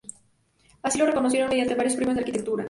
Así se lo reconocieron, mediante varios premios de arquitectura.